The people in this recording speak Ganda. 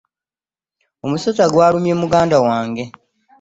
Omusota gwalumye muganda wange.